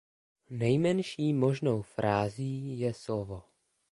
Nejmenší možnou frází je slovo.